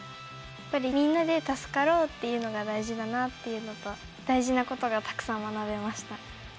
やっぱりみんなで助かろうっていうのが大事だなっていうのと大事なことがたくさん学べました。